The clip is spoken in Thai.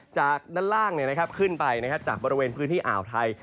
จากด้านล่างเนี่ยนะครับขึ้นไปนะครับจากบริเวณพื้นที่อ่าวไทย